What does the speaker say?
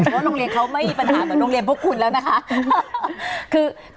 เพราะโรงเรียนเขาไม่มีปัญหาเหมือนโรงเรียนพวกคุณแล้วนะคะ